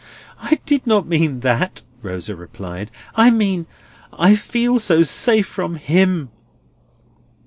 "I did not mean that," Rosa replied. "I mean, I feel so safe from him."